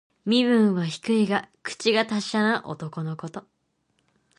身分は低いが、口が達者な男のこと。